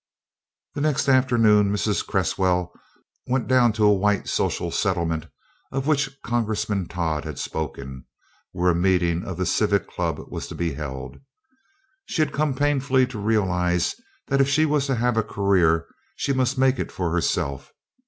The next afternoon Mrs. Cresswell went down to a white social settlement of which Congressman Todd had spoken, where a meeting of the Civic Club was to be held. She had come painfully to realize that if she was to have a career she must make it for herself.